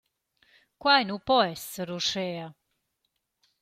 Quai nu po esser uschea!